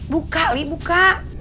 buka li buka